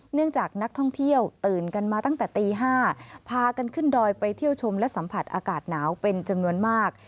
เนื่องจากนักท่องเที่ยวตื่นกันมาตั้งแต่ตี๕พากันขึ้นดอยไปเที่ยวชมและสัมผัสอากาศหนาวเป็นจำนวนมาก